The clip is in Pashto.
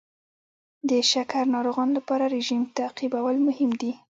د شکر ناروغانو لپاره رژیم تعقیبول مهم دي.